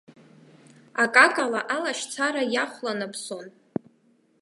Акакала алашьцара иахәланаԥсон.